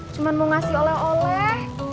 cuma mau ngasih oleh oleh